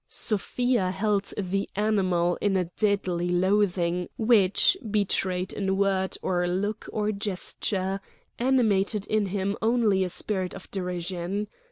Sofia held the animal in a deadly loathing which, betrayed in word or look or gesture, animated in him only a spirit of derision.